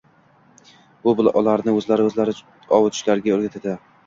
bu ularni o‘zlarini-o‘zlari ovutishlariga o‘rgatadi.